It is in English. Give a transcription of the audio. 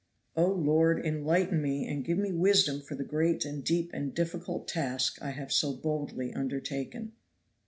Oh, Lord, enlighten me, and give me wisdom for the great and deep and difficult task I have so boldly undertaken!